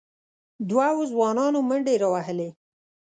دوو ځوانانو منډې راوهلې،